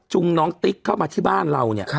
น้องติ๊กเข้ามาที่บ้านเราเนี่ย